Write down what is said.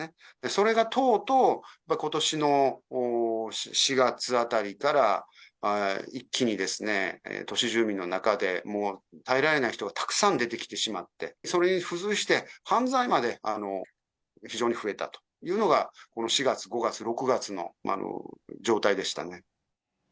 それがとうとうことしの４月あたりから一気にですね、都市住民の中で、もう耐えられない人がたくさん出てきてしまって、それに付随して犯罪まで非常に増えたというのが、この４月、５月、６月の状態でしたね。